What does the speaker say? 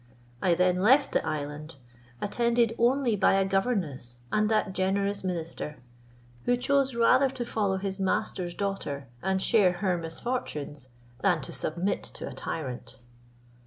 I then left the island, attended only by a governess and that generous minister, who chose rather to follow his master's daughter, and share her misfortunes, than to submit to a tyrant.